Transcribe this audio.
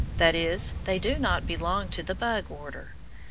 That is, they do not belong to the bug order.